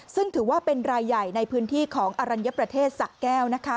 ซึ่งถือว่าเป็นรายใหญ่ในพื้นที่ของอรัญญประเทศสะแก้วนะคะ